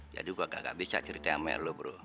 jadi gue gak bisa ceritain sama lo bro